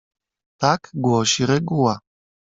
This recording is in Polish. "Tak głosi reguła."